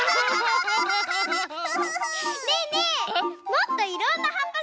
もっといろんなはっぱ